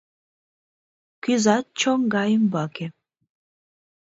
Кӱзат чоҥга ӱмбаке.